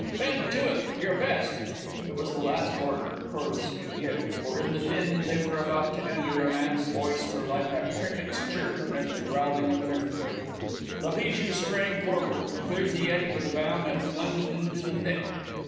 Bend to it! Your best!" It was the last order Corliss could give, for in the din they were about to enter a man's voice were like a cricket's chirp amid the growling of an earthquake. La Bijou sprang forward, cleared the eddy with a bound, and plunged into the thick.